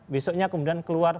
besoknya kemudian keluar